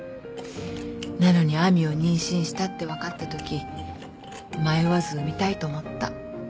なのに亜美を妊娠したって分かったとき迷わず産みたいと思った。